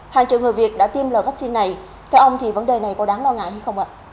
hàng triệu người việt đã tiêm loại vaccine này thưa ông vấn đề này có đáng lo ngại hay không ạ